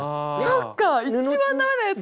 そっか一番ダメなやつだ。